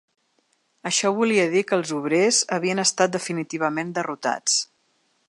Això volia dir que els obrers havien estat definitivament derrotats